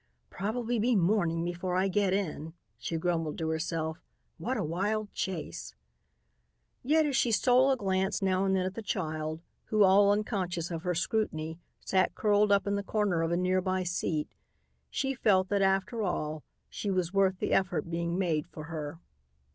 "Probably be morning before I get in," she grumbled to herself. "What a wild chase!" Yet, as she stole a glance now and then at the child, who, all unconscious of her scrutiny, sat curled up in the corner of a near by seat, she felt that, after all, she was worth the effort being made for her.